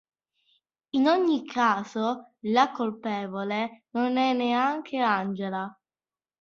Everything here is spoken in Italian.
In ogni caso la colpevole non è neanche Angela.